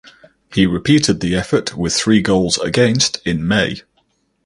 He repeated the effort with three goals against in May.